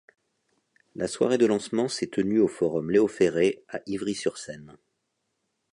La soirée de lancement s'est tenue au Forum Léo Ferré à Ivry sur Seine.